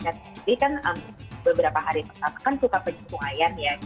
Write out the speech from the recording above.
jadi kan beberapa hari pertama kan suka penyesuaian ya